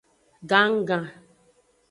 Gannggan.